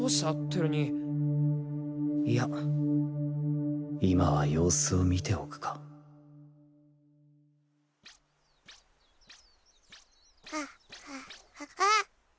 輝兄いや今は様子を見ておくかあっ！